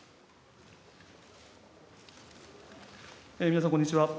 皆さん、こんにちは。